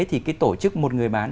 thì cái tổ chức một người bán